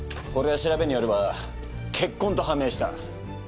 これは調べによれば血痕と判明した！